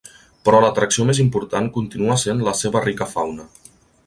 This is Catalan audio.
Però l'atracció més important continua sent la seva rica fauna.